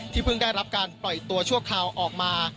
เพิ่งได้รับการปล่อยตัวชั่วคราวออกมา